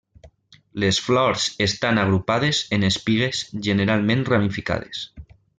Les flors estan agrupades en espigues generalment ramificades.